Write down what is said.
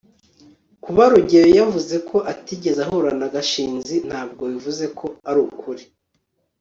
kuba rugeyo yavuze ko atigeze ahura na gashinzi ntabwo bivuze ko arukuri